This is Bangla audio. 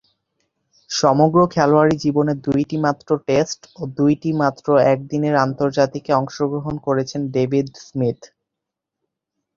সমগ্র খেলোয়াড়ী জীবনে দুইটিমাত্র টেস্ট ও দুইটিমাত্র একদিনের আন্তর্জাতিকে অংশগ্রহণ করেছেন ডেভিড স্মিথ।